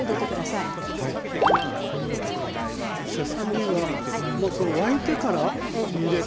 ささ身はもう沸いてから入れてゆでる。